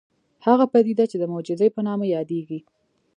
هغه پديده چې د معجزې په نامه يادېږي.